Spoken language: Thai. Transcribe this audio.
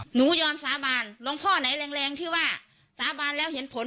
หนูยอมสาบานหลวงพ่อไหนแรงแรงที่ว่าสาบานแล้วเห็นผล